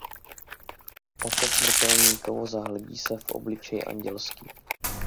Oko smrtelníkovo zahledí se v obličej andělský.